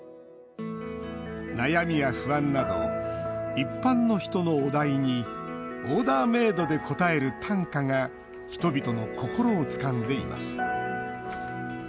悩みや不安など一般の人のお題にオーダーメードで応える短歌が人々の心をつかんでいます。